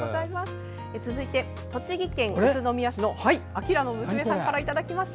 続いて栃木県宇都宮市の明の娘さんからいただきました。